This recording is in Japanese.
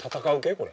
これ。